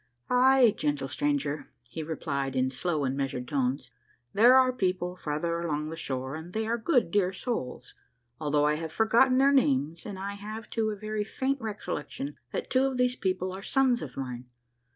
" Ay, gentle stranger," he replied in slow and measured tones, " there are people farther along the shore, and they are good, dear souls, although I have forgotten their names, and I have, too, a very faint recollection that two of those people are sons of mine.